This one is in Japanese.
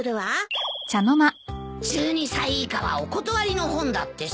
１２歳以下はお断りの本だってさ。